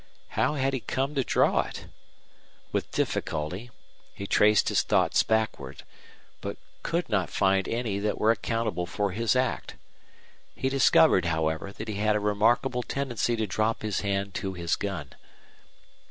How had he come to draw it? With difficulty he traced his thoughts backward, but could not find any that was accountable for his act. He discovered, however, that he had a remarkable tendency to drop his hand to his gun.